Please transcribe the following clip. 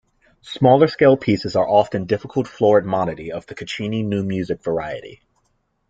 Smaller scale pieces are often difficult florid monody of the Caccini "new music" variety.